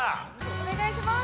お願いします！